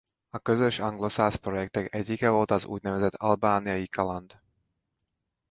A közös angolszász projektek egyike volt az úgynevezett albániai kaland.